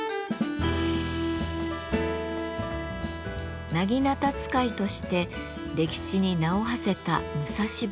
薙刀使いとして歴史に名をはせた武蔵坊弁慶。